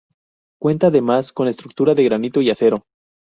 Cuenta además con estructura de granito y acero.